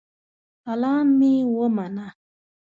سلام مي ومنه